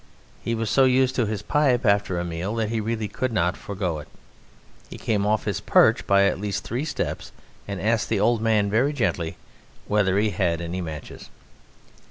He was so used to his pipe after a meal that he really could not forgo it. He came off his perch by at least three steps and asked the old man very gently whether he had any matches.